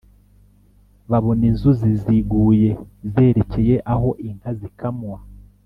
babona inzuzi ziguye zerekeye aho inka zikamwa.